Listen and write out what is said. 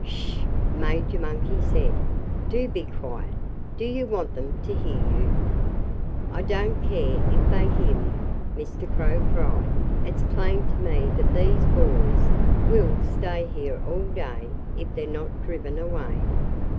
"S sh!" Major Monkey said. "Do be quiet! Do you want them to hear you?" "I don't care if they hear me," Mr. Crow cried. "It's plain to me that these boys will stay here all day if they're not driven away."